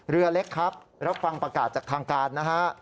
เรือเล็กครับรับฟังประกาศจากทางการนะฮะ